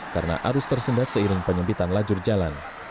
karena arus tersendat seiring penyempitan lajur jalan